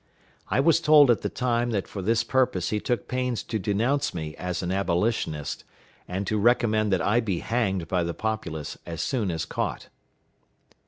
I was told at the time that for this purpose he took pains to denounce me as an Abolitionist, and to recommend that I be hanged by the populace as soon as caught.